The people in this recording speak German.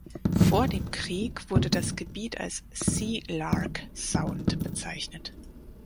Vor dem Krieg wurde das Gebiet als "Sealark-Sound" bezeichnet.